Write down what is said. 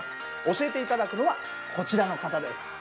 教えて頂くのはこちらの方です。